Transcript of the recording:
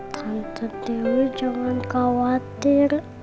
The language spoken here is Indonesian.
tante dewi jangan khawatir